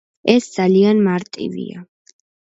ეს ძალიან მარტივია.